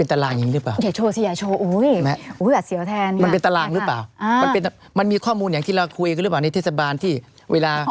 ทางนี้ยืนยันแบบนี้อีกทางยืนยันอีกแบบ